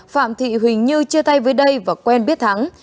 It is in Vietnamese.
phạm thị huỳnh như chia tay với đây và quen biết thắng